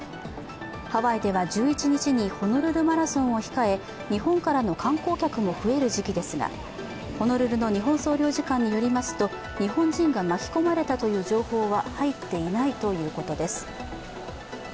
ハワイでは１１日にホノルルマラソンを控え日本からの観光客も増える時期ですがホノルルの日本総領事館によりますと、日本人が巻き込まれたという情報は入っていないということです。